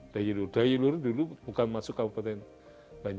dayi luhur dulu bukan masuk kabupaten